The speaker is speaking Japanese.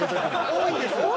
多いんですよ。